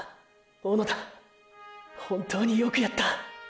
小野田ほんとうによくやった！！